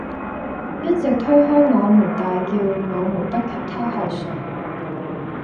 一直推開我們大叫我們不給她喝水